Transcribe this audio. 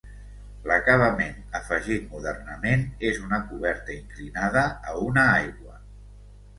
L'acabament, afegit modernament, és una coberta inclinada a una aigua.